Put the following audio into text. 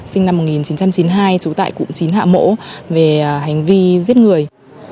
sinh năm một nghìn chín trăm chín mươi hai trú tại cụm chín hạ mỗ về hành vi giết người